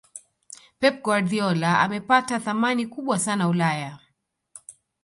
pep guardiola amepata thamani kubwa sana ulaya